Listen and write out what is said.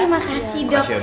terima kasih ya dok